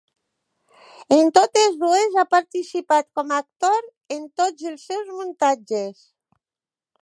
En totes dues ha participat com a actor en tots els seus muntatges.